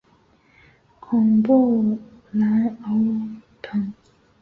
孔布兰欧蓬。